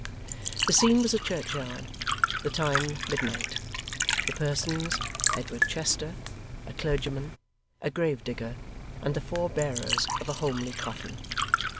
The scene was a churchyard; the time, midnight; the persons, Edward Chester, a clergyman, a grave digger, and the four bearers of a homely coffin.